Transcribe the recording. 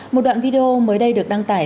một đoạn video mới đây được đăng tải